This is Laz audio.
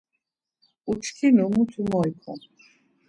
Uçkinu mutu moy’kom.